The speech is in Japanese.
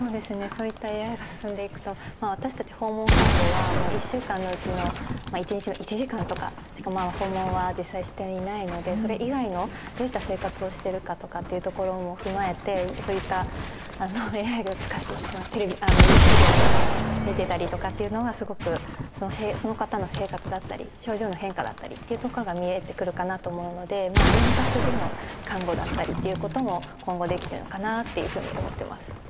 そういったＡＩが進んでいくとまあ私たち訪問看護はもう１週間のうちの１日の１時間とかしかまあ訪問は実際していないのでそれ以外のどういった生活をしてるかとかっていうところも踏まえてそういったＡＩを使ってビデオで見てたりとかっていうのはすごくその方の生活だったり症状の変化だったりっていうところが見えてくるかなと思うので遠隔での看護だったりっていうことも今後できるのかなっていうふうに思ってます。